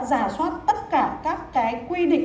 già soát tất cả các cái quy định